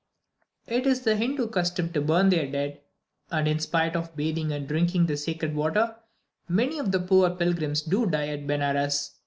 It is the Hindu custom to burn their dead; and, in spite of bathing and drinking the sacred water, many of the poor pilgrims do die at Benares.